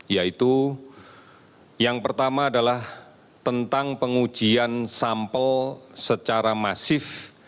yaitu yang pertama adalah tentang pengujian sampel secara masif